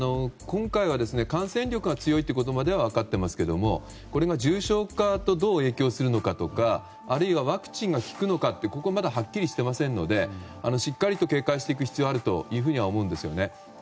今回は感染力が強いということまでは分かっていますがこれが重症化とどう影響するのかとかあるいはワクチンが効くのかまだはっきりしてませんのでしっかりと警戒していく必要があるというふうには思うんですよね。